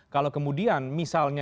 kalau kemudian misalnya ya